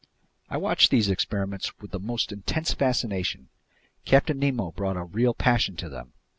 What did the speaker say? I watched these experiments with the most intense fascination. Captain Nemo brought a real passion to them.